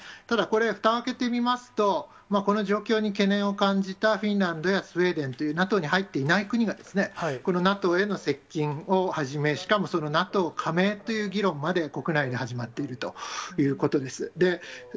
ただ、これ、ふたを開けてみますと、この状況に懸念を感じたフィンランドやスウェーデンというＮＡＴＯに入っていない国が、ＮＡＴＯへの接近を始め、しかもそのＮＡＴＯ加盟という議論まで、国内で始まっているということです。